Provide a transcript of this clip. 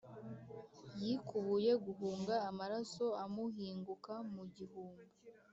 Yikubuye guhunga amaraso amuhinguka mu gihumbi,